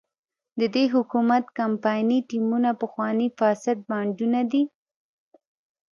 د دې حکومت کمپایني ټیمونه پخواني فاسد بانډونه دي.